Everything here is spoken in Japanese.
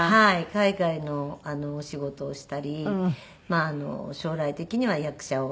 海外のお仕事をしたりまあ将来的には役者を。